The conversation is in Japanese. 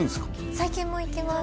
最近も行きます